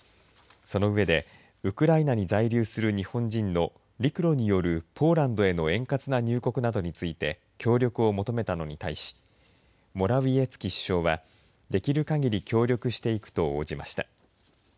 その上でウクライナに在留する日本人の陸路によるポーランドへの円滑な入国などについて協力を求めたのに対しモラウィエツキ首相はできるかぎり協力していくと応じました。